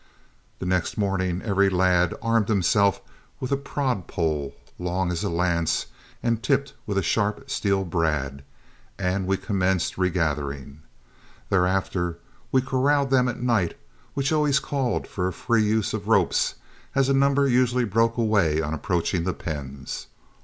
The next morning every lad armed himself with a prod pole long as a lance and tipped with a sharp steel brad, and we commenced regathering. Thereafter we corralled them at night, which always called for a free use of ropes, as a number usually broke away on approaching the pens.